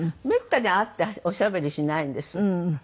めったに会っておしゃべりしないんです。